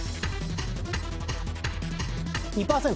２％。